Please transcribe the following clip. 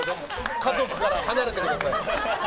家族から離れてください。